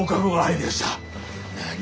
何？